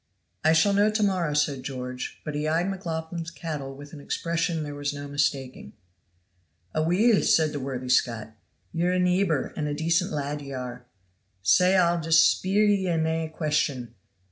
"I shall know to morrow," said George. But he eyed McLaughlan's cattle with an expression there was no mistaking. "Aweel," said the worthy Scot, "ye're a neebor and a decent lad ye are, sae I'll just speer ye ane question.